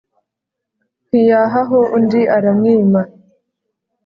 ntiyahaho undi aramwima